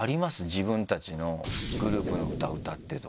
自分たちのグループの歌歌ってとか。